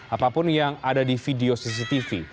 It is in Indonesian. apapun yang ada di video cctv